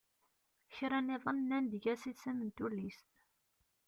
Kra nniḍen nnan-d eg-as isem n tullist.